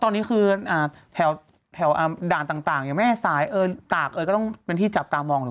ตอนนี้คือแถวด่านต่างอย่างแม่สายตากเอยก็ต้องเป็นที่จับตามองเลย